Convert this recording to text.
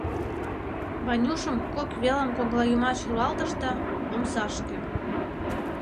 Ванюшым кок велым коҥлайымач руалтышт да — омсашке.